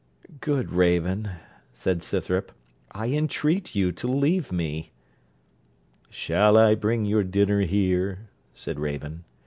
'Good Raven,' said Scythrop, 'I entreat you to leave me.' 'Shall I bring your dinner here?' said Raven.